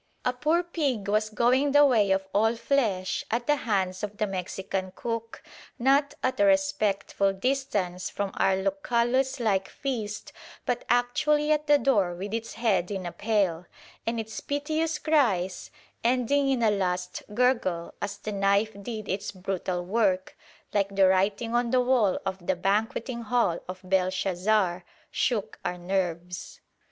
A poor pig was going the way of all flesh at the hands of the Mexican cook, not at a respectful distance from our Lucullus like feast but actually at the door with its head in a pail; and its piteous cries, ending in a last gurgle as the knife did its brutal work, like the writing on the wall of the banqueting hall of Belshazzar, shook our nerves.